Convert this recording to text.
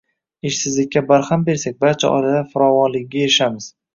Ishsizlikka barham bersak, barcha oilalar farovonligiga erishamiz